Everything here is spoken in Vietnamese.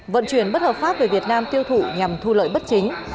vận chuyển bất hợp pháp về việt nam tiêu thụ nhằm thu lợi bất chính